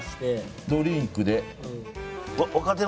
ドリンクで。